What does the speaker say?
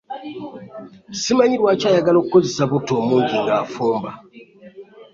Simanyi kulwaki ayagala okukozesa butto omungi nga afumba.